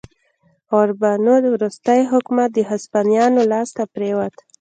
عربانو وروستی حکومت د هسپانویانو لاسته پرېوت.